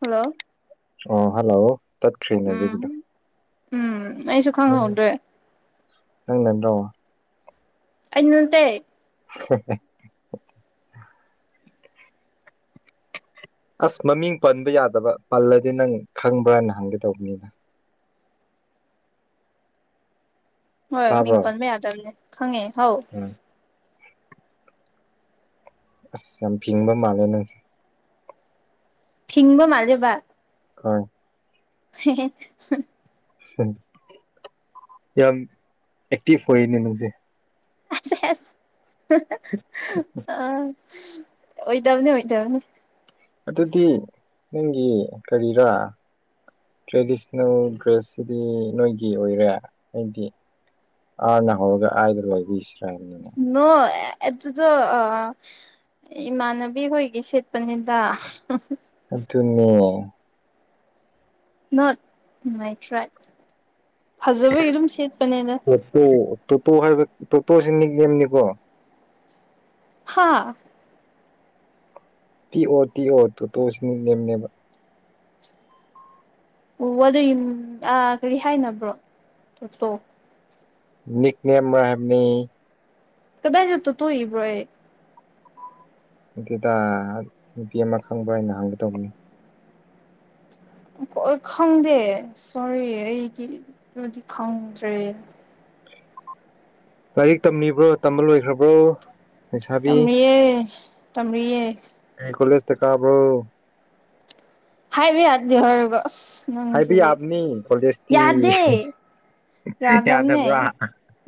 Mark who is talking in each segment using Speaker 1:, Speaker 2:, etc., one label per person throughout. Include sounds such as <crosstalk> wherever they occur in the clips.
Speaker 1: Hello
Speaker 2: ꯑ hello ꯇꯠꯈ꯭ꯔꯤꯅꯦ
Speaker 1: ꯎꯝ ꯎꯝ ꯑꯩꯁꯨ ꯈꯪꯍꯧꯗ꯭ꯔꯦ
Speaker 2: ꯂꯪꯅꯗꯣ
Speaker 1: ꯑꯩꯅꯇ
Speaker 2: <unintelligible> ꯑꯁ ꯃꯃꯤꯡ ꯄꯟꯕ ꯌꯥꯗꯕ ꯄꯜꯂꯗꯤ ꯅꯪ ꯈꯪꯕ꯭ꯔꯥꯅ ꯍꯪꯒꯦ ꯇꯧꯕꯅꯤꯅ
Speaker 1: ꯍꯣꯏ ꯃꯤꯡ
Speaker 2: ꯇꯥꯕ꯭ꯔꯣ
Speaker 1: ꯄꯟꯕ ꯌꯥꯗꯕꯅꯦ ꯈꯪꯉꯦ ꯍꯥꯎ
Speaker 2: ꯎꯝ ꯑꯁ ꯌꯥꯝ ꯐꯤꯡꯕ ꯃꯥꯜꯂꯦ ꯅꯪꯁꯦ
Speaker 1: ꯊꯤꯤꯡꯕ ꯃꯜꯦꯕꯥ
Speaker 2: ꯍ
Speaker 1: ꯍ
Speaker 2: ꯎ ꯌꯥꯝ ꯑꯦꯛꯇꯤꯚ ꯑꯣꯏꯅꯦ ꯅꯪꯁꯦ
Speaker 1: ꯑ ꯑꯣꯏꯗꯕꯅꯤ ꯑꯣꯏꯗꯕꯅꯤ
Speaker 2: ꯑꯗꯨꯗꯤ ꯅꯪꯒꯤ ꯀꯔꯤꯔꯥ ꯇ꯭ꯔꯦꯗꯤꯁꯅꯦꯜ ꯗ꯭ꯔꯦꯁꯁꯤꯗꯤ ꯅꯣꯏꯒꯤ ꯑꯣꯏꯔꯦ ꯍꯥꯏꯗꯤ ꯑꯥꯅ ꯍꯧꯔꯒ ꯑꯩꯥꯏꯗ ꯂꯣꯏꯕꯤꯁꯤ꯭ꯔꯥꯕꯅꯤꯅ
Speaker 1: ꯅ ꯑꯦꯗꯨꯗꯣ ꯑ ꯏꯃꯥꯟꯅꯕꯤ ꯍꯣꯏꯒꯤ ꯁꯦꯠꯄꯅꯤꯗ
Speaker 2: ꯑꯗꯨ ꯑꯗꯨꯅꯦ
Speaker 1: ꯅꯣꯠꯥꯏ ꯇ꯭ꯔꯥꯏꯠ ꯐꯖꯕꯒꯤ ꯑꯗꯨꯝ ꯁꯦꯠꯄꯅꯦꯅ
Speaker 2: ꯇ ꯇꯣꯇꯣ ꯍꯥꯏꯕ ꯇꯣꯇꯣꯁꯤ ꯅꯤꯒꯦꯝꯅꯤꯀꯣ
Speaker 1: ꯍꯥꯥ
Speaker 2: ꯇꯤ ꯑꯣ ꯇꯤ ꯑꯣꯔ ꯇ ꯇꯅꯦ
Speaker 1: ꯑꯣ ꯑꯗꯨ ꯀꯔꯤ ꯍꯥꯏꯅꯕ꯭ꯔꯣ ꯇꯣ
Speaker 2: ꯛꯅꯦꯝ ꯔꯍꯃꯤꯅꯤ
Speaker 1: ꯀꯗꯥꯥꯏ ꯅꯠꯇꯣ ꯇꯨ ꯏꯕ꯭ꯔꯣꯦ
Speaker 2: ꯑꯗꯨꯗ ꯅꯨꯄꯤ ꯑꯃ ꯈꯪꯕꯩꯅ ꯍꯪꯒꯗꯧꯕꯅꯤ
Speaker 1: ꯈꯪꯗꯦ ꯁꯣꯔꯤ ꯑꯩꯗꯤ ꯑꯗꯨꯗꯤ ꯈꯪꯗ꯭ꯔꯦ
Speaker 2: ꯂꯥꯏꯔꯤꯛ ꯇꯝꯂꯤꯕ꯭ꯔꯣ ꯇꯝꯕ ꯂꯣꯏꯈ꯭ꯔꯕ꯭ꯔꯣ ꯂꯩꯁꯥꯕꯤ
Speaker 1: ꯇꯝꯑꯦ ꯇꯝꯑꯦ
Speaker 2: ꯑꯩ ꯀꯣꯂꯦꯖꯇꯥꯕ꯭ꯔꯣ
Speaker 1: ꯍꯥꯏꯥꯏꯕꯤ ꯑꯠꯗꯤꯍꯔꯒꯣ
Speaker 2: ꯍꯥꯏꯕꯤ ꯑꯕꯅꯤ ꯀꯣꯗꯁꯇ
Speaker 1: ꯌꯥꯗꯦ
Speaker 2: ꯌꯥꯗꯕ꯭ꯔꯣ
Speaker 1: ꯌꯥꯗꯕꯅꯦ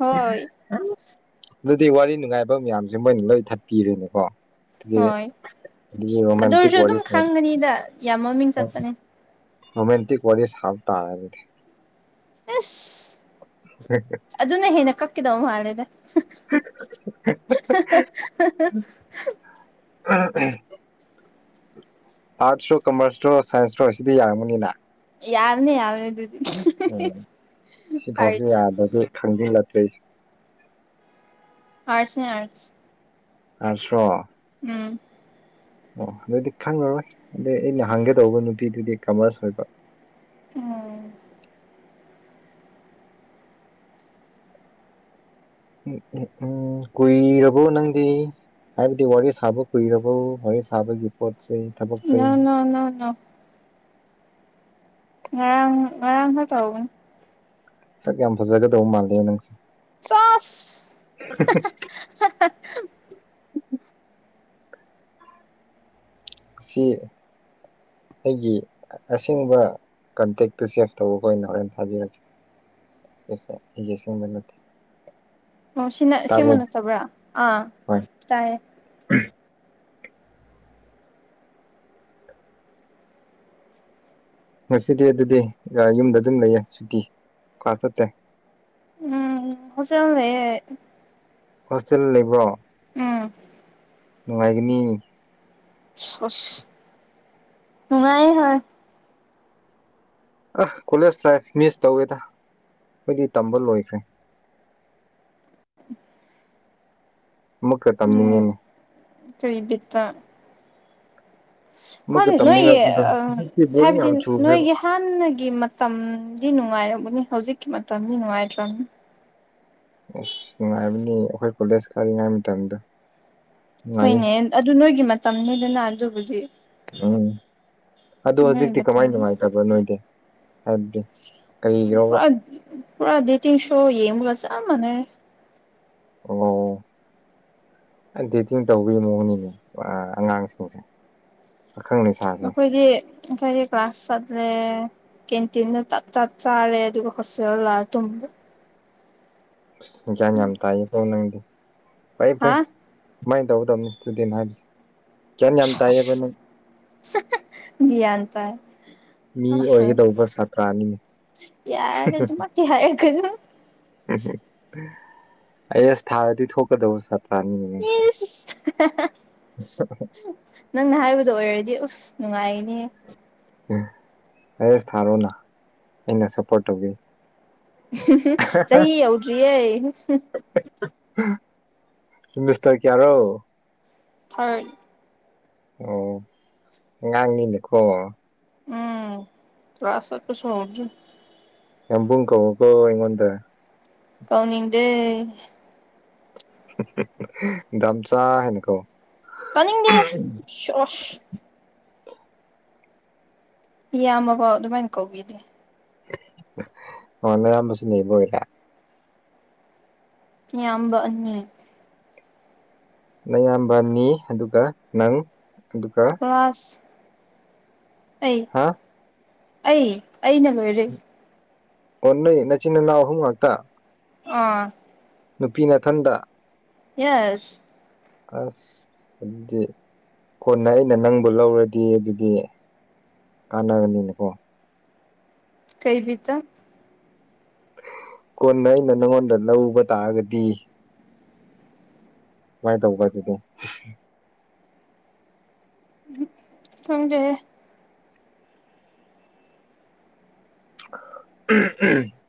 Speaker 1: ꯍꯣꯏ
Speaker 2: ꯋꯥꯔꯤ ꯅꯨꯡꯉꯥꯏꯕ ꯃꯌꯥꯝꯁꯦ ꯃꯣꯏꯅ ꯂꯣꯏ ꯊꯠꯄꯤꯔꯦꯅꯦꯀꯣ ꯑꯗꯨꯗꯤ
Speaker 1: ꯍꯣꯏ
Speaker 2: ꯑꯗꯨꯗꯤ
Speaker 1: ꯑꯗꯨ
Speaker 2: ꯔꯣꯃꯦꯟꯇꯤꯛ
Speaker 1: ꯑꯣꯏꯔꯁꯨ
Speaker 2: ꯋꯥꯔꯤ
Speaker 1: ꯑꯗꯨꯝ ꯈꯪꯒꯅꯤꯗ ꯌꯥꯝ ꯃꯃꯤꯡ ꯆꯠꯄꯅꯦ
Speaker 2: ꯔꯣꯃꯦꯟꯇ ꯋꯥꯔꯤ ꯁꯥ ꯇꯔ
Speaker 1: ꯑꯁ ꯑꯗꯨꯅ ꯍꯦꯟꯅ ꯀꯛꯈꯤꯗꯧꯕ ꯃꯥꯂꯦꯗ
Speaker 2: ꯍꯦ ꯍꯦ
Speaker 1: ꯍ
Speaker 2: ꯎ ꯎꯝ ꯑꯥꯔꯠꯁꯇꯣ ꯀꯃꯔꯁꯇꯔꯣ ꯁꯥꯏꯟꯁꯇꯣ ꯁꯤꯗꯤ ꯌꯥꯔꯝꯃꯅꯤꯅ
Speaker 1: ꯌꯥꯔꯅꯤ ꯌꯥꯎ ꯑꯗꯨ
Speaker 2: ꯎꯝ ꯁꯤꯐꯥꯎꯁ
Speaker 1: ꯑꯥꯔꯠꯁ
Speaker 2: ꯌꯥꯗꯒꯤ ꯈꯪꯗꯤꯜꯂꯛꯇ꯭ꯔꯦꯁꯨ
Speaker 1: ꯑꯔꯠꯁ ꯑꯦ ꯑꯔꯠꯁ
Speaker 2: ꯑꯁꯣ
Speaker 1: ꯎꯝ
Speaker 2: ꯑꯣ ꯑꯗꯨꯗꯤ ꯈꯪꯉꯔꯣꯏ ꯑꯗꯨꯗꯩ ꯑꯩꯅ ꯍꯪꯒꯗꯧꯕ ꯅꯨꯄꯤꯗꯨꯗꯤ ꯀꯃꯔꯁ ꯑꯣꯏꯕ
Speaker 1: ꯎꯝ
Speaker 2: ꯎ ꯎ ꯎꯝ ꯀꯨꯏꯔꯕꯣ ꯅꯪꯗꯤ ꯍꯥꯏꯕꯗꯤ ꯋꯥꯔꯤ ꯁꯥꯕ ꯀꯨꯏꯔꯕꯣ ꯋꯥꯔꯤ ꯁꯥꯕꯒꯤ ꯄꯣꯠꯁꯦ
Speaker 1: ꯅ
Speaker 2: ꯊꯕꯛꯁꯦ
Speaker 1: ꯅ ꯅ ꯅ ꯉꯔꯥꯡ ꯉꯔꯥꯡ ꯍ ꯆ
Speaker 2: ꯁꯛ ꯌꯥꯝ ꯐꯖꯒꯗꯧꯕ ꯃꯥꯜꯂꯦ ꯅꯪꯁꯦ
Speaker 1: ꯆꯣꯁ
Speaker 2: ꯁꯤ ꯑꯩꯒꯤ ꯑꯁꯦꯡꯕ ꯀꯟꯇꯦꯛꯇꯨ ꯆꯦꯚ ꯇꯧꯕ ꯑꯣꯏꯅ ꯍꯣꯔꯦꯟ ꯊꯥꯕꯤꯔꯛꯀꯦ ꯁꯤꯁꯦ ꯑꯩꯒꯤꯁꯦꯡꯕ ꯅꯠꯇꯦ
Speaker 1: ꯑꯣ ꯁꯤꯅ ꯁꯦꯡꯕ
Speaker 2: ꯇꯥꯕ꯭ꯔꯣ
Speaker 1: ꯅꯠꯇꯕ꯭ꯔꯥ ꯑꯥ
Speaker 2: ꯍꯣꯏ
Speaker 1: ꯇꯥꯏꯌꯦ
Speaker 2: ꯉꯁꯤꯗꯤ ꯑꯗꯨꯗꯤ ꯌꯨꯝꯗ ꯑꯗꯨꯝ ꯂꯩꯌꯦ ꯁꯨꯇꯤ ꯀꯥꯁ ꯆꯠꯇꯦ
Speaker 1: ꯎꯝ ꯍꯧꯁ ꯂꯩꯦꯦ
Speaker 2: ꯍꯣꯁꯇꯦꯜ ꯂꯩꯕ꯭ꯔꯣ
Speaker 1: ꯎꯝ
Speaker 2: ꯅꯨꯡꯉꯥꯏꯒꯅꯤ
Speaker 1: ꯊꯨꯡꯉꯥꯏ ꯍ
Speaker 2: ꯑꯁ ꯀꯣꯂꯦꯖ ꯂꯥꯏꯐ ꯃꯤꯁ ꯇꯧꯋꯦꯗ ꯑꯩꯈꯣꯏꯗꯤ ꯇꯝꯕ ꯂꯣꯏꯈ꯭ꯔꯦ ꯑꯃꯨꯛꯀ
Speaker 1: ꯎꯝ
Speaker 2: ꯇꯝꯅꯤꯡꯉꯤꯅꯦ
Speaker 1: ꯀꯔꯤ ꯕꯤꯠꯇ
Speaker 2: ꯑꯃꯨꯛꯀ
Speaker 1: <unintelligible> ꯅꯣꯏꯒꯤ
Speaker 2: ꯇꯝꯅꯤꯡꯉꯛꯄꯗꯣ
Speaker 1: ꯑ
Speaker 2: ꯍꯧꯖꯤꯛꯇꯤ ꯕꯣꯔꯤꯡ
Speaker 1: ꯍꯥꯏꯕꯗꯤ
Speaker 2: ꯌꯥꯝ ꯆꯨꯈ꯭ꯔꯦꯕ
Speaker 1: ꯅꯣꯏꯒꯤ ꯍꯥꯟꯅꯒꯤ ꯃꯇꯝꯗꯤ ꯅꯨꯡꯉꯥꯏꯔꯒꯅꯤ ꯍꯧꯖꯤꯛꯀꯤ ꯃꯇꯝꯗꯤ ꯅꯨꯡꯉꯥꯏꯇ꯭ꯔꯕꯅꯤ
Speaker 2: ꯑꯁ ꯅꯨꯡꯉꯥꯏꯕꯅꯤ ꯑꯩꯈꯣꯏ ꯀꯣꯂꯦꯖ ꯀꯥꯔꯤꯉꯩ ꯃꯇꯝꯗꯣ ꯅꯨꯡꯉꯥꯏꯌꯦ
Speaker 1: ꯍꯣꯏꯅꯦ ꯑꯗꯨ ꯅꯣꯏꯒꯤ ꯃꯇꯝꯅꯤꯗꯅ ꯑꯗꯨꯕꯨꯗꯤ
Speaker 2: ꯎꯝ ꯑꯗꯣ
Speaker 1: ꯅꯣꯏꯒꯤ
Speaker 2: ꯍꯧꯖꯤꯛꯇꯤ
Speaker 1: ꯃꯇꯝ
Speaker 2: ꯀꯃꯥꯏ ꯅꯨꯡꯉꯥꯏꯇꯕ꯭ꯔ ꯅꯣꯏꯗꯤ ꯍꯥꯏꯕꯗꯤ ꯀꯔꯤꯒꯤꯔꯣꯕ
Speaker 1: ꯄꯨꯥ ꯄꯨꯔꯥ ꯗꯦꯇꯤꯟ ꯁꯣ ꯌꯦꯡꯕꯒ ꯆꯞ ꯃꯥꯅꯩ
Speaker 2: ꯑꯣ ꯗꯦꯇꯤꯡ ꯇꯧꯕꯒꯤ ꯃꯑꯣꯡꯅꯤꯅꯦ ꯄꯨꯔꯥ ꯑꯉꯥꯡꯁꯤꯡꯁꯦ ꯄꯥꯈꯪ ꯂꯩꯁ
Speaker 1: ꯑꯩꯈꯣꯏꯗꯤ ꯑꯩꯈꯣꯏꯗꯤ ꯀ꯭ꯂ꯭ꯔꯥꯁ ꯆꯠꯂꯦ ꯀꯦꯟꯇꯤꯟꯗ ꯇꯞ ꯆꯥꯔꯦ ꯑꯗꯨꯒ ꯍꯣꯁꯇꯦꯜ ꯂꯥꯛꯑꯒ ꯇꯨꯝꯕ
Speaker 2: ꯑꯁ ꯒ꯭ꯌꯥꯟ ꯌꯥꯝ ꯇꯥꯏꯌꯦꯀꯣ ꯅꯪꯗꯤ ꯐꯩ
Speaker 1: ꯍꯥ
Speaker 2: ꯐꯩ ꯑꯗꯨꯃꯥꯏꯅ ꯇꯧꯒꯗꯕꯅꯤ ꯏꯁꯇꯨꯗꯦꯟ ꯍꯥꯏꯕꯁꯦ ꯒ꯭ꯌꯥꯟ ꯌꯥꯝ ꯇꯥꯏꯌꯦꯕ ꯅꯪ
Speaker 1: <unintelligible> ꯃꯤꯌꯥꯟ ꯇꯥꯏ
Speaker 2: ꯃꯤ
Speaker 1: ꯑꯁ
Speaker 2: ꯑꯣꯏꯒꯗꯧꯕ ꯁꯥꯇ꯭ꯔꯥꯅꯤꯅꯦ
Speaker 1: ꯌꯥꯔꯦ ꯑꯗꯨꯃꯛꯇꯤ ꯍꯥꯏꯔꯛꯀꯅꯨ
Speaker 2: ꯎꯝ ꯎꯝ ꯑꯩ ꯑꯁ ꯊꯥꯔꯗꯤ ꯊꯣꯛꯀꯗꯧꯕ ꯁꯥꯠ ꯇꯥꯅꯤꯉꯦ ꯅꯡꯁꯦ
Speaker 1: ꯏꯁ ꯅꯪꯅ ꯍꯥꯏꯕꯗꯣ ꯑꯣꯏꯔꯗꯤ ꯑꯁ ꯅꯨꯡꯉꯥꯏꯒꯅꯤꯍꯦ
Speaker 2: ꯎꯝ ꯑꯩꯁ ꯊꯥꯔꯣꯅ ꯑꯩꯅ ꯁꯞꯄꯣꯔꯠ ꯇꯧꯒꯦ
Speaker 1: <unintelligible> ꯆꯍꯤ ꯌꯧꯗ꯭ꯔꯤꯌꯦ
Speaker 2: <unintelligible> ꯁꯦꯃꯤꯁꯇꯔ ꯀꯌꯥꯔꯣ
Speaker 1: <unintelligible>
Speaker 2: ꯑꯣ ꯑꯉꯥꯡꯅꯤꯅꯦꯀꯣ
Speaker 1: ꯎꯝ ꯀ꯭ꯂꯥꯁ ꯆꯠꯄꯁꯨ ꯍꯧꯗ꯭ꯔꯤ
Speaker 2: ꯌꯥꯝꯕꯨꯨꯡ ꯀꯧ ꯀꯣ ꯑꯩꯉꯣꯟꯗ
Speaker 1: ꯀꯧꯅꯤꯡꯗꯦ
Speaker 2: <unintelligible> ꯗꯥꯝꯆꯥ ꯍꯥꯏꯅ ꯀꯧ
Speaker 1: ꯇꯥꯅꯤꯡꯗꯦ <unintelligible> ꯏꯌꯥꯝꯕꯐꯥꯎ ꯑꯗꯨꯃꯥꯏꯅ ꯀꯧꯕꯤꯗꯦ
Speaker 2: <unintelligible>
Speaker 1: ꯏꯌꯥꯝꯕ ꯑꯅꯤ
Speaker 2: ꯅꯌꯥꯝꯕ ꯑꯅꯤ ꯑꯗꯨꯒ ꯅꯪ ꯑꯗꯨꯒ
Speaker 1: ꯑꯩ
Speaker 2: ꯍꯥ
Speaker 1: ꯑꯩ ꯑꯩꯅ ꯂꯣꯏꯔꯦ
Speaker 2: ꯑꯣ ꯅꯣꯏ ꯅꯆꯤꯟ ꯏꯅꯥꯎ ꯑꯍꯨꯝ ꯉꯥꯛꯇ
Speaker 1: ꯑꯥ
Speaker 2: ꯅꯨꯄꯤ ꯃꯊꯟꯗ
Speaker 1: ꯌꯦꯁ
Speaker 2: ꯑꯁ ꯑꯗꯨꯗꯤ ꯀꯣꯟꯅ ꯑꯩꯅ ꯅꯪꯕꯨ ꯂꯧꯔꯗꯤ ꯑꯗꯨꯗꯤ ꯀꯥꯟꯅꯅꯤꯅꯀꯣ
Speaker 1: ꯀꯩ ꯕꯤꯠꯇ
Speaker 2: ꯀꯣꯟꯅ ꯑꯩꯅ ꯅꯪꯉꯣꯟꯗ ꯂꯧꯕ ꯇꯥꯔꯒꯗꯤ ꯁꯨꯃꯥꯏꯅ ꯇꯧꯕ ꯑꯗꯨꯗꯤ
Speaker 1: ꯈꯪꯗꯦꯍꯦ
Speaker 2: <unintelligible>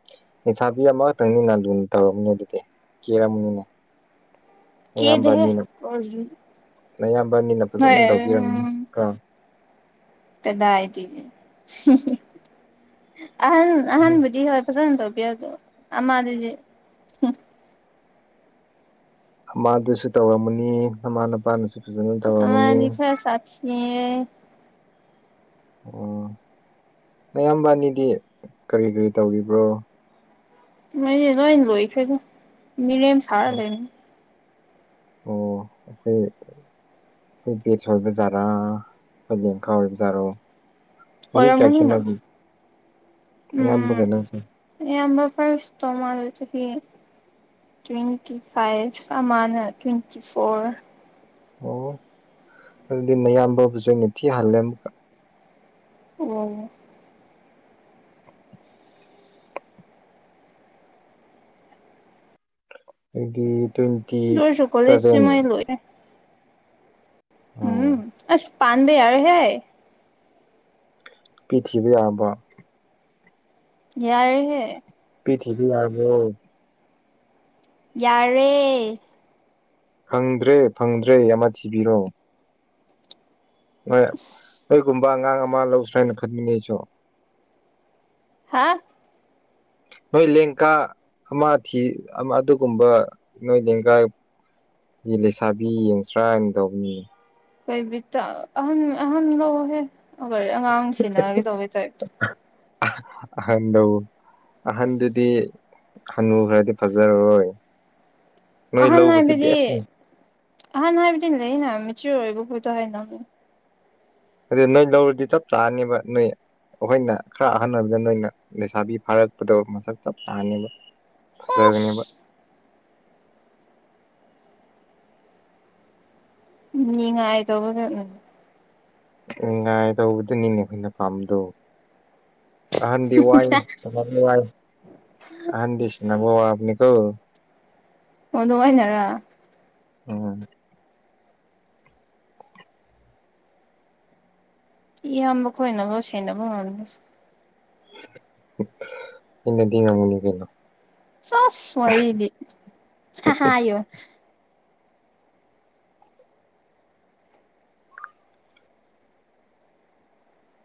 Speaker 2: ꯂꯩꯁꯥꯕꯤ ꯑꯃꯈꯛꯇꯪꯅꯤꯅ ꯂꯨꯅ ꯇꯧꯔꯝꯅꯦ ꯑꯗꯨꯗꯤ ꯀꯦꯔꯝꯅꯤꯅꯦ ꯅꯌꯥꯝꯕ
Speaker 1: ꯀꯦꯗꯦꯍꯦ
Speaker 2: ꯑꯅꯤꯅ ꯅꯌꯥꯝꯕ ꯑꯅꯤꯅ
Speaker 1: ꯅꯣꯏ
Speaker 2: ꯐꯖꯅ ꯇꯧꯕꯤꯔꯝꯅꯤ ꯀꯣ
Speaker 1: ꯀꯗꯥꯏꯇꯒꯤ <unintelligible> ꯑꯍꯟ ꯑꯍꯟꯕꯨꯗꯤ ꯍꯣꯏ ꯐꯖꯅ ꯇꯧꯕꯤꯌꯦ ꯑꯗꯣ ꯑꯃꯗꯨꯗꯤ
Speaker 2: ꯑꯃꯥꯗꯨꯁꯨ ꯇꯧꯔꯝꯃꯅꯤ ꯅꯃꯥ ꯅꯄꯥꯅꯁꯨ ꯐꯖꯅ ꯇꯧꯔꯝꯃꯅꯤ
Speaker 1: ꯍꯦꯁꯥꯠꯁ ꯌꯦ
Speaker 2: ꯑ‌ꯣ ꯅꯌꯥꯝꯕ ꯑꯅꯤꯗꯤ ꯀꯔꯤ ꯀꯔꯤ ꯇꯧꯔꯤꯕ꯭ꯔꯣ
Speaker 1: ꯃ‌ꯣꯏꯅꯤ ꯂꯣꯏ ꯂꯣꯏꯈ꯭ꯔꯦꯗ ꯃꯤꯔꯦꯝ ꯁꯥꯔ ꯂꯩ
Speaker 2: ꯑꯣ ꯑꯩ ꯑꯩꯈꯣꯏ ꯕꯦꯁꯠ ꯑꯣꯏꯕ ꯖꯥꯔꯥ ꯑꯩꯈꯣꯏ ꯂꯦꯡꯀꯥ ꯑꯣꯏꯕꯖꯥꯔꯣ ꯆꯍꯤ ꯀꯌꯥ
Speaker 1: ꯑꯣꯏꯔꯝꯒꯅꯤꯅ
Speaker 2: ꯈꯦꯠꯅꯒ‌ꯦ ꯅꯌꯥꯝꯕꯒ ꯅꯪꯁ‌ꯦ
Speaker 1: ꯑꯌꯥꯝꯕ ꯐꯥꯔꯁꯇꯣ ꯃꯥꯗ‌ꯣ ꯆꯍꯤ ꯇ꯭ꯋꯦꯟꯇꯤ ꯐꯥꯏꯚ ꯑꯃꯅ ꯇ꯭ꯋꯦꯟꯇꯤ ꯐꯣꯔ
Speaker 2: ꯑꯣ ꯑꯗꯨꯗꯤ ꯅꯌꯥꯝꯕꯕꯨꯁꯨ ꯑꯩꯅ ꯊꯤ ꯍꯜꯂꯦ ꯑꯃꯨꯛꯀ
Speaker 1: ꯑꯣ
Speaker 2: ꯑꯩꯗꯤ ꯇ꯭ꯋꯦꯟꯇꯤ
Speaker 1: ꯑꯗꯨ ꯑꯣꯏꯔꯁꯨ ꯀꯣꯂꯦꯖꯁꯤ
Speaker 2: ꯁꯚꯦꯟ
Speaker 1: ꯃꯣꯏ ꯂꯣꯏꯔꯦ ꯎꯝ
Speaker 2: ꯑꯣ
Speaker 1: ꯑꯁ ꯄꯥꯥꯟꯕ ꯌꯥꯔꯦ ꯍꯦ
Speaker 2: ꯄꯤ ꯊꯤꯕ ꯌꯥꯔꯕꯣ
Speaker 1: ꯌꯥꯔꯦ ꯍꯦ
Speaker 2: ꯄꯤ ꯊꯤꯕꯥ ꯌꯥꯔꯕꯣ
Speaker 1: ꯌꯥꯔꯦ
Speaker 2: ꯐꯪꯗ꯭ꯔꯦ ꯐꯪꯗ꯭ꯔꯦ ꯑꯃ ꯊꯤꯕꯤꯔꯣ ꯅꯣꯏ
Speaker 1: ꯑꯁ
Speaker 2: ꯅꯣꯏꯒꯨꯝꯕ ꯑꯉꯥꯡ ꯑꯃ ꯂꯧꯁ꯭ꯔꯥ ꯍꯥꯏꯅ ꯈꯟꯕꯅꯦ ꯑꯩꯁꯨ
Speaker 1: ꯍꯥꯥ
Speaker 2: ꯅꯣꯏ ꯂꯦꯡꯀꯥ ꯑꯃꯥ ꯊꯤ ꯑꯃ ꯑꯗꯨꯒꯨꯝꯕ ꯅꯣꯏ ꯂꯦꯡꯒꯥꯏ ꯃꯤ ꯂꯩꯁꯥꯕꯤ ꯌꯦꯡꯁ꯭ꯔꯥꯅ ꯇꯧꯕꯅꯤ
Speaker 1: ꯀꯩ ꯕꯤꯠꯇ ꯑꯍꯟ ꯑꯍꯟ ꯂꯧꯍꯦ ꯑꯩꯈ ꯑꯉꯥꯡ ꯁꯦꯟꯅꯒꯦ ꯇꯧꯕ ꯇꯥꯏꯞ
Speaker 2: ꯑꯍꯟꯗꯣ ꯑꯍꯟꯗꯨꯗꯤ ꯍꯅꯨ ꯈꯔꯗꯤ ꯐꯖꯔ ꯔꯣꯏ
Speaker 1: ꯑꯍꯟ ꯍꯥꯏꯕꯗꯤ ꯑꯍꯟ ꯍꯥꯏꯕꯗꯤ ꯂꯩꯌꯦꯅꯥ ꯃꯦꯆꯤꯌꯨꯔ ꯑꯣꯏꯕ ꯄꯣꯠꯇꯣ ꯍꯥꯏꯅ
Speaker 2: ꯀꯔꯤ ꯅꯣꯏ ꯂꯧꯔꯗꯤ ꯆꯞ ꯆꯥꯅꯤꯕ ꯅꯣꯏ ꯑꯩꯈꯣꯏꯅ ꯈꯔ ꯑꯍꯟ ꯑꯣꯏꯕꯗ ꯅꯣꯏꯅ ꯂꯩꯁꯥꯕꯤ ꯐꯥꯔꯛꯄꯗꯣ ꯃꯁꯛ ꯆꯞ ꯆꯥꯅꯤꯕ ꯐꯖꯒꯔꯅꯤꯕ
Speaker 1: ꯑꯁ ꯅꯤꯡꯉꯥꯏ ꯇꯩꯕꯗ ꯑꯨꯡ
Speaker 2: ꯅꯤꯉꯥꯏ ꯗꯧꯕꯗꯨꯅꯤꯅ‌ꯦ ꯑꯈ‌ꯣꯏꯅ ꯄꯥꯝꯕꯗꯣ ꯑꯍꯟꯗꯤ ꯋꯥꯏ ꯑꯍꯟꯗꯤ ꯋꯥꯏ ꯑꯍꯟꯗꯤ ꯁꯦꯟꯅꯥꯕ ꯋꯥꯕꯅꯤꯀꯣ
Speaker 1: ꯑꯣ ꯑꯗꯨ ꯑꯩꯅꯔꯥ
Speaker 2: ꯎꯝ
Speaker 1: ꯏꯌꯥꯝꯕ ꯈꯣꯏꯅꯕꯣ ꯁꯦꯟꯅꯕ ꯉꯝꯁ
Speaker 2: ꯑꯩꯅꯗꯤ ꯉꯝꯒꯅꯤ ꯀꯩꯅꯣ
Speaker 1: ꯆꯥꯁ ꯋꯥꯔꯤꯗꯤ ꯍꯥ ꯍꯥꯌꯣ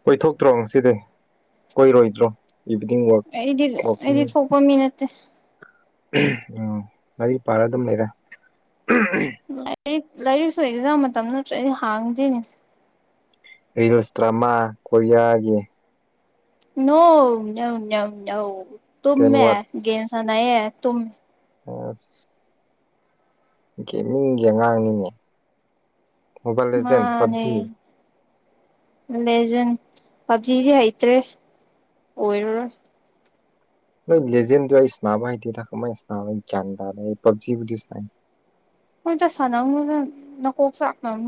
Speaker 2: ꯀꯣꯏꯊꯣꯛꯇ꯭ꯔꯣ ꯉꯁꯤꯗꯤ ꯀꯣꯏꯔꯣꯏꯗ꯭ꯔꯣ ꯏꯚꯤꯅꯤꯡ ꯋꯥꯛ ꯋꯥꯛꯀꯤꯡ
Speaker 1: ꯍꯣꯃꯤꯟꯅꯠꯇꯦ
Speaker 2: ꯎꯝ ꯂꯥꯏꯔꯤꯛ ꯄꯥꯔ ꯑꯗꯨꯝ ꯂꯩꯔꯦ
Speaker 1: ꯂꯥꯏꯔꯤꯛ ꯂꯥꯏꯔꯤꯛꯁꯨ ꯑꯦꯛꯖꯥꯝ ꯃꯇꯝ ꯅꯠꯇ꯭ꯔ ꯑꯩ ꯍꯥꯡꯗꯦꯅꯦ
Speaker 2: ꯔꯤꯜꯁ ꯗ꯭ꯔꯃꯥ ꯀꯣꯔꯤꯌꯥꯒꯤ
Speaker 1: ꯅꯣ ꯅꯣꯑ ꯅꯣꯑ ꯅꯣꯑ
Speaker 2: ꯇꯦꯟ
Speaker 1: ꯇꯨꯝꯃꯦ
Speaker 2: ꯋꯥꯠ
Speaker 1: ꯒꯦꯝ ꯁꯥꯟꯅꯩꯌꯦ ꯇꯨꯝ
Speaker 2: ꯑꯥꯁ ꯒꯦꯃꯤꯡꯒꯤ ꯑꯉꯥꯡꯅꯤꯅꯦ ꯃꯣꯕꯥꯏꯜ ꯂꯦꯖꯦꯟ
Speaker 1: ꯃꯥꯅꯦ
Speaker 2: ꯄꯞꯖꯤ
Speaker 1: ꯂꯦꯖꯟ ꯄꯞꯖꯤꯗꯤ ꯍꯩꯇ꯭ꯔꯦ ꯑꯣꯏꯔꯔꯣꯏ
Speaker 2: ꯅꯣꯏ ꯂꯦꯖꯦꯟꯗꯨ ꯑꯩꯅ ꯢꯁꯅꯥꯕ ꯍꯩꯇꯦꯗ ꯀꯃꯥꯏ ꯢꯁꯅꯥꯕ ꯒꯋꯥꯟ ꯇꯥꯗ ꯄꯞꯖꯤꯕꯨꯗꯤ ꯁꯥꯏ
Speaker 1: ꯍꯣꯏꯗ ꯁꯥꯟꯅꯩꯅꯨꯗ ꯅꯀꯣꯛ ꯆꯥꯛꯅꯝ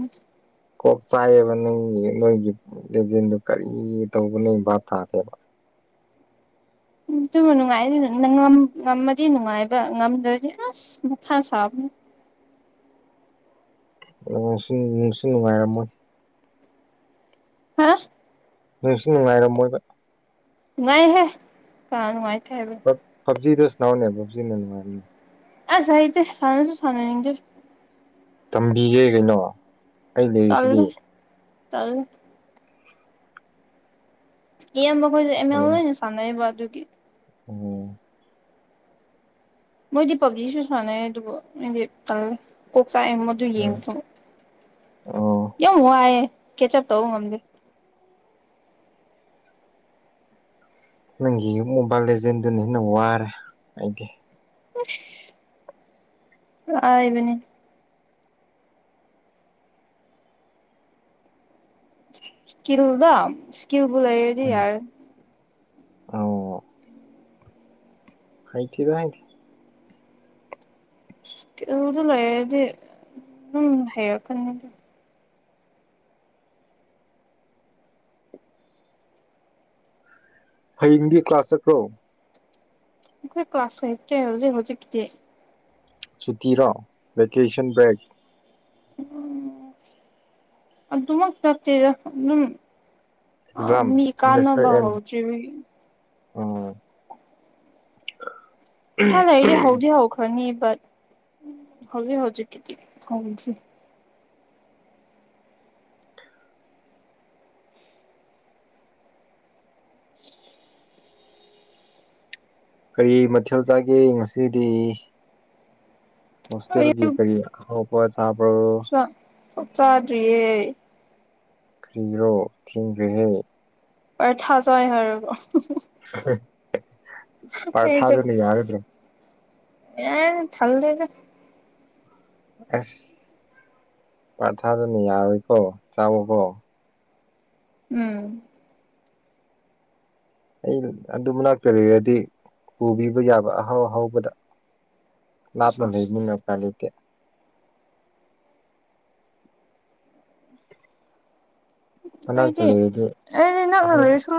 Speaker 2: ꯀꯣꯛ ꯆꯥꯏꯌꯦꯕ ꯅꯪꯒꯤ ꯅꯣꯏꯒꯤ ꯂꯦꯖꯦꯟꯗꯨ ꯀꯔꯤ ꯇꯧꯕ ꯅꯣꯏ ꯚꯥꯞ ꯊꯥꯗꯦꯕ꯫
Speaker 1: ꯑꯗꯨꯕꯨ ꯅꯨꯡꯉꯥꯏ <unintelligible> ꯉꯝꯃꯗꯤ ꯅꯨꯡꯉꯥꯏꯕ ꯉꯝꯗ꯭ꯔꯗꯤ ꯑꯁ ꯃꯊꯥ ꯁꯥꯕꯅꯦ
Speaker 2: ꯉꯁꯤ ꯅꯨꯡꯁꯤ ꯅꯨꯡꯉꯥꯏꯔꯝꯃꯣꯏ꯫
Speaker 1: ꯍꯥ꯫
Speaker 2: ꯅꯨꯡꯁꯨ ꯅꯨꯡꯉꯥꯏꯔꯝꯃꯣꯏꯕ꯫
Speaker 1: ꯅꯨꯡꯉꯥꯏꯍꯦ ꯀꯅꯥ ꯅꯨꯡꯉꯥꯏꯇꯦ ꯍꯥꯏꯕ꯫
Speaker 2: ꯄꯕꯖꯤꯗꯨ ꯁꯅꯥꯎꯅꯦ ꯄꯕꯖꯤꯅꯅꯅꯨꯡ
Speaker 1: ꯑꯁ ꯍꯩꯇꯦ ꯁꯥꯟꯅꯁꯨ ꯁꯥꯟꯅꯅꯤꯡꯗꯦ꯫
Speaker 2: ꯇꯝꯕꯤꯒꯦ ꯀꯩꯅꯣ꯫ ꯑꯩ ꯂꯩꯔꯤꯁꯤꯗꯤ
Speaker 1: ꯇꯜꯂꯦ ꯇꯜꯂꯦ꯫ ꯏꯌꯥꯝꯕꯈꯣꯏꯁꯨ ꯑꯦꯝ ꯑꯦꯜ ꯂꯣꯏꯅ ꯁꯥꯟꯅꯩꯌꯦꯕ ꯑꯗꯨꯒꯤ꯫
Speaker 2: ꯑꯣꯝ꯫
Speaker 1: ꯃꯣꯏꯗꯤ ꯄꯕꯖꯤꯁꯨ ꯁꯥꯟꯅꯩ ꯑꯗꯨꯕꯨ ꯑꯩꯗꯤ ꯇꯜꯂꯦ ꯀꯣꯛ ꯆꯥꯛꯑꯦ ꯃꯗꯨ
Speaker 2: ꯎꯝ
Speaker 1: ꯌꯦꯡꯕ
Speaker 2: ꯑꯣ꯫
Speaker 1: ꯌꯥꯝ ꯋꯥꯏꯌꯦ ꯀꯦꯆꯞ ꯇꯧꯕ ꯉꯝꯗꯦ꯫
Speaker 2: ꯅꯪꯒꯤ ꯃꯣꯕꯥꯏꯜ ꯂꯦꯖꯦꯟꯗꯨꯅ ꯍꯦꯟꯅ ꯋꯥꯔꯦ ꯑꯩꯗꯤ꯫
Speaker 1: ꯑꯁ ꯂꯥꯢꯕꯅꯦ꯫ ꯏꯁꯀꯤꯜꯗ ꯁꯀꯤꯜꯕꯨ ꯂꯩꯔꯗꯤ
Speaker 2: ꯎꯝ
Speaker 1: ꯌꯥꯔꯦ꯫
Speaker 2: ꯑꯣ ꯍꯩꯇꯦꯗ ꯍꯥꯢꯗꯦ꯫
Speaker 1: ꯏꯁ꯭ꯀꯤꯜ ꯗꯨ ꯂꯩꯔꯗꯤ ꯗꯨꯝ ꯍꯩꯔꯛꯀꯅꯤ꯫
Speaker 2: ꯍꯌꯦꯡꯗꯤ ꯀ꯭ꯂꯥꯁ ꯆꯠꯄ꯭ꯔꯣ꯫
Speaker 1: ꯑꯩꯈꯣꯏ ꯀ꯭ꯂꯥꯁ ꯂꯩꯇꯦ ꯍꯧꯖꯤꯛ ꯍꯧꯖꯤꯛꯀꯤꯗꯤ꯫
Speaker 2: ꯁꯨꯇꯤꯔꯣ ꯚꯦꯀꯦꯁꯟ ꯕ꯭ꯔꯦꯛ꯫
Speaker 1: ꯎ ꯑꯗꯨꯃꯛ ꯆꯠꯇꯦꯗ ꯎꯝ꯫ ꯑ
Speaker 2: ꯑꯦꯛꯖꯥꯝ
Speaker 1: ꯃꯤ ꯀꯥꯅꯕ
Speaker 2: ꯁꯦꯃꯤꯁꯇꯔ ꯑꯦꯟ
Speaker 1: ꯍꯧꯗ꯭ꯔꯤꯕꯒꯤ꯫
Speaker 2: ꯑꯣ꯫
Speaker 1: ꯈꯔ ꯂꯩꯔꯗꯤ ꯍꯧꯗꯤ ꯍꯧꯈ꯭ꯔꯅꯤ ꯕ ꯍꯧꯖꯤꯛ ꯍꯧꯖꯤꯛꯀꯤꯗꯤ ꯍꯧꯗ꯭ꯔꯤ꯫
Speaker 2: ꯀꯔꯤ ꯃꯊꯦꯜ ꯆꯥꯒꯦ ꯉꯁꯤꯗꯤ
Speaker 1: ꯑꯩ
Speaker 2: ꯍꯣꯁꯇꯦꯜꯒꯤ ꯀꯔꯤ ꯍꯥꯎꯕ ꯆꯥꯕ꯭ꯔꯣ꯫
Speaker 1: ꯆꯥꯛ ꯆꯥꯗ꯭ꯔꯤꯌꯦ꯫
Speaker 2: ꯈꯪꯗ꯭ꯔꯣ ꯈꯪꯗꯦꯍꯦ꯫
Speaker 1: ꯑꯩ ꯊꯥꯖꯏ ꯍꯥꯏꯔꯒ ꯑꯍꯪ ꯑꯍꯪ꯫
Speaker 2: ꯍꯦꯍꯦ
Speaker 1: ꯑꯩꯁꯦ
Speaker 2: ꯄꯥꯔꯊꯥꯗꯨꯅ ꯌꯥꯔꯗ꯭ꯔꯣ꯫
Speaker 1: ꯑꯦ ꯊꯜꯂꯦꯗ꯫
Speaker 2: ꯑꯁ ꯄꯔꯊꯥꯗꯨꯅ ꯌꯥꯔꯣꯏꯀꯣ ꯆꯥꯎꯋꯣꯒꯣ꯫
Speaker 1: ꯎꯝ꯫
Speaker 2: ꯑꯩ ꯑꯗꯨ ꯃꯅꯥꯛꯇ ꯂꯩꯔꯗꯤ ꯄꯨꯕꯤꯕ ꯌꯥꯕ ꯑꯍꯥꯎ ꯑꯍꯥꯎꯕꯗ꯫ ꯂꯥꯞꯅ
Speaker 1: ꯑꯁ
Speaker 2: ꯂꯩꯕꯅꯦꯅ ꯄꯥꯢ ꯂꯩꯇꯦ꯫ ꯃꯅꯥꯛꯇ
Speaker 1: ꯑꯩꯗꯤ
Speaker 2: ꯂꯩꯔꯗꯤ
Speaker 1: ꯑꯦ ꯅꯛꯅ
Speaker 2: ꯑꯍꯜ
Speaker 1: ꯂꯩꯔꯁꯨ